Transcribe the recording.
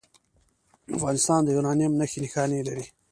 افغانستان د یورانیم نښې نښانې لري